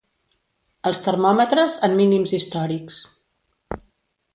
Els termòmetres en mínims històrics.